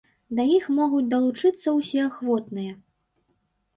Да іх могуць далучыцца ўсе ахвотныя.